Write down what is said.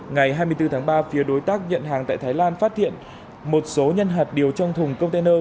ngày hai mươi bốn tháng ba phía đối tác nhận hàng tại thái lan phát hiện một số nhân hạt điều trong thùng container